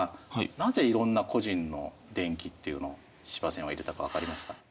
なぜいろんな個人の伝記っていうのを司馬遷は入れたか分かりますか？